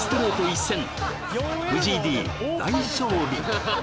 一閃藤井Ｄ大勝利